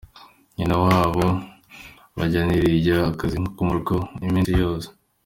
Nyina w’ abo bana yirirwa akora akazi ko mu rugo iminsi yose.